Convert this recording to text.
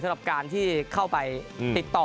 สำหรับการที่เข้าไปติดต่อ